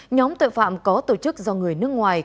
nhóm tội phạm có tổ chức do người nước ngoài